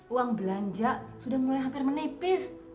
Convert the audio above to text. uang belanja sudah mulai hampir menipis